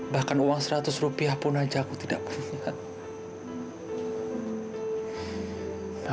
bahkan uang seratus rupiah pun aja aku tidak punya